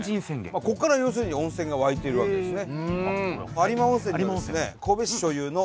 ここから要するに温泉が湧いてるわけですね。